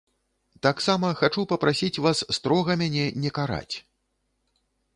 Таксама хачу папрасіць вас строга мяне не караць.